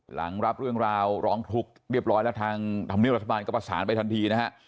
หลังรับเรื่องราวร้องทุกข์เรียบร้อยแล้วทางธรรมเนียบรัฐบาลก็ประสานไปทันทีนะฮะ